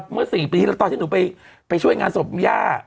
เมื่อ๔ปีที่แล้วตอนที่หนูไปช่วยงานศพย่า